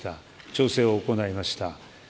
調整を行いました。